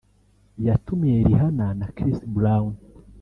yatumiye Rihanna na Chris Brown